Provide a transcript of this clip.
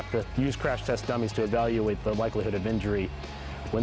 dan mereka harus menggunakan penerbangan penerbangan untuk menilai kemungkinan penerbangan